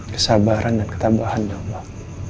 kesabaran dan ketambahan ya allah